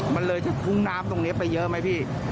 มันเลยจะคุ้งน้ำตรงนี้ไปเยอะไหมพี่